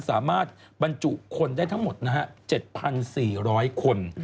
สามารถบรรจุคนได้ทั้งหมดนะฮะ๗๔๐๐คน